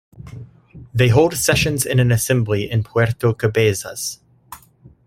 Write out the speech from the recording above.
They hold sessions in an Assembly in Puerto Cabezas.